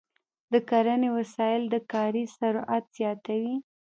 د کرنې وسایل د کاري سرعت زیاتوي.